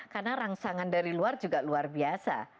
karena rangsangan dari luar juga luar biasa